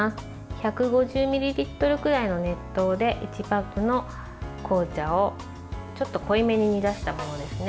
１５０ミリリットルぐらいの熱湯で１バッグの紅茶をちょっと濃いめに煮出したものですね。